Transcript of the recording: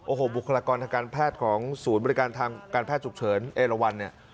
โอ้โหบุคลากรทางการแพทย์ของศูนย์บริการทางการแพทย์ฉุกเฉินเอราวันเนี่ย